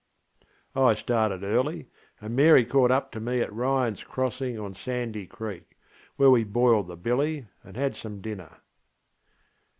I started early, and Mary caught up to me at RyanŌĆÖs Crossing on Sandy Creek, where we boiled the billy and had some dinner.